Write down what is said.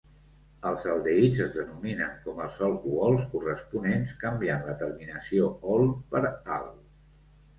Els aldehids es denominen com els alcohols corresponents, canviant la terminació -ol per -al.